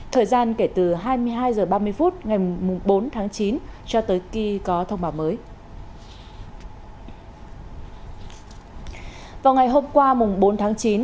thời gian kể từ hai mươi hai h ba mươi phút ngày bốn tháng chín cho tới khi có thông báo mới